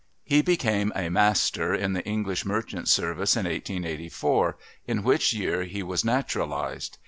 He became a Master in the English Merchant Service in 1884, in which year he was naturalised.